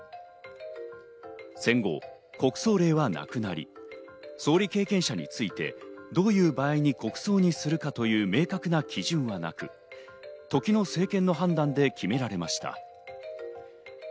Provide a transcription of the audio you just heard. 戦後、国葬令はなくなり総理経験者について、どういう場合に国葬にするかという明確な基準はなく、時の政権の判断で決められました。